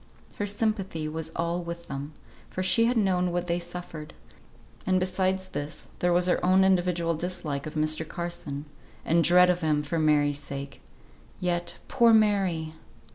Her sympathy was all with them, for she had known what they suffered; and besides this there was her own individual dislike of Mr. Carson, and dread of him for Mary's sake. Yet, poor Mary!